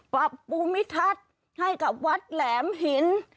ปรับภูมิทัศน์ให้กับวัดแหลมหิน